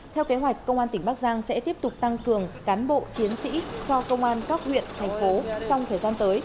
theo kế hoạch công an tỉnh bắc giang sẽ tiếp tục tăng cường cán bộ chiến sĩ cho công an các huyện thành phố trong thời gian tới